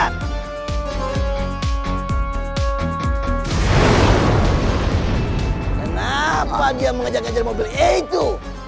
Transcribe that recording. kenapa dia mengajak ajak mobil itu